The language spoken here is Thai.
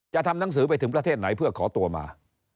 ทำหนังสือไปถึงประเทศไหนเพื่อขอตัวมา